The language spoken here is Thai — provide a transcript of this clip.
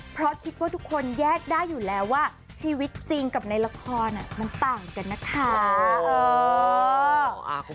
เพราะคิดว่าทุกคนแยกได้อยู่แล้วว่าชีวิตจริงกับในละครมันต่างกันนะคะ